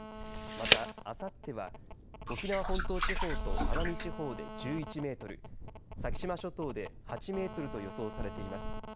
また、あさっては沖縄本島地方と奄美地方で１１メートル先島諸島で８メートルと予想されています。